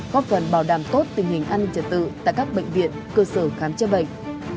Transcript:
góp phần bảo đảm tốt tình hình an ninh trật tự tại các bệnh viện cơ sở khám chữa bệnh